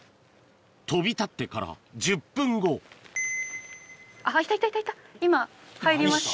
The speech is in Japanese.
飛び立ってから１０分後今入りました